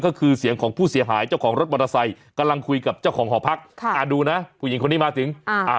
ก็คือเสียงของผู้เสียหายเจ้าของรถมอเตอร์ไซค์กำลังคุยกับเจ้าของหอพักค่ะอ่าดูนะผู้หญิงคนนี้มาถึงอ่าอ่า